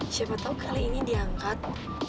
siapa tahu kali ini diangkat